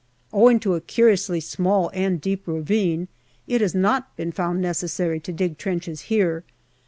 Owing to a curiously small and deep ravine, it has not been found necessary to dig trenches here.